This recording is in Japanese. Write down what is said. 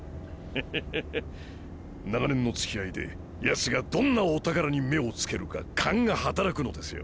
フフフ長年の付き合いでヤツがどんなお宝に目を付けるか勘が働くのですよ。